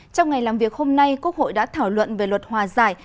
trong ngày làm việc hôm nay quốc hội đã thảo luận về luật hòa giải